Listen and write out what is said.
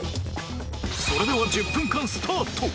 それでは１０分間スタート！